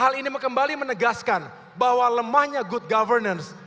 hal ini kembali menegaskan bahwa lemahnya good governance